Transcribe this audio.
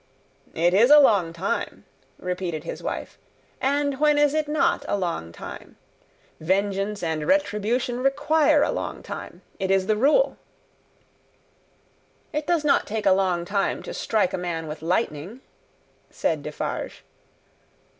"It is a long time," repeated his wife; "and when is it not a long time? Vengeance and retribution require a long time; it is the rule." "It does not take a long time to strike a man with Lightning," said Defarge.